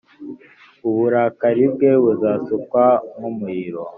uburakari bwe buzasukwa nk umuriro